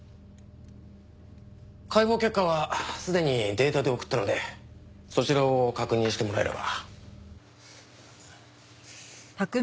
解剖結果はすでにデータで送ったのでそちらを確認してもらえれば。